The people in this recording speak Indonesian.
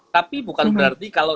tapi bukan berarti kalau